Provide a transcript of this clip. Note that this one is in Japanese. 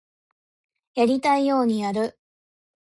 やりたいようにやる